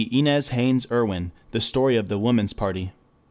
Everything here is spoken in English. _ Inez Haynes Irwin, _The Story of the Woman's Party.